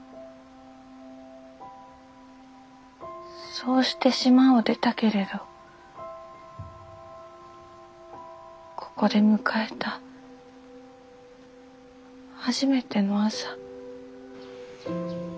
そうして島を出たけれどここで迎えた初めての朝。